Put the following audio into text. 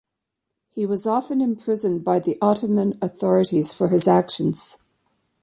He was often imprisoned by the Ottoman authorities for his actions.